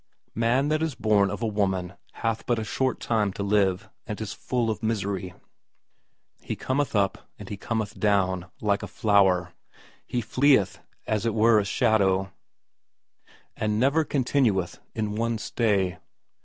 Man that is bom of a woman hath but a short time to live, and is full of misery. He cometh up, and is cut down, like a flower ; he fleeth as it were a shadow, and never continueth in one stay.